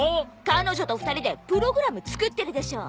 彼女と２人でプログラム作ってるでしょ。